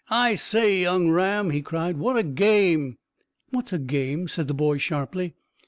"I say, young Ram," he cried, "what a game!" "What's a game?" said the boy sharply.